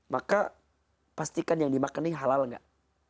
maka pastikan yang dimakan ini halal nggak